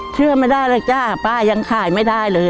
เชื่อไม่ได้เลยจ้าป้ายังขายไม่ได้เลย